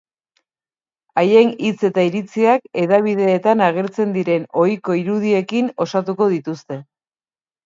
Haien hitz eta iritziak hedabideetan agertzen diren ohiko irudiekin osatuko dituzte.